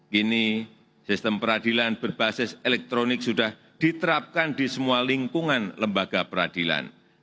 kini sistem peradilan berbasis elektronik sudah diterapkan di semua lingkungan lembaga peradilan